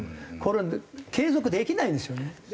これ継続できないんですよね。